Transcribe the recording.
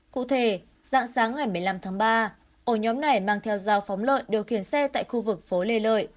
cụ thể dạng sáng ngày một mươi năm tháng ba ổ nhóm này mang theo dao phóng lợn điều khiển xe tại khu vực phố lê lợi